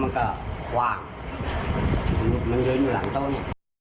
มันเริ่มอยู่หลังต้น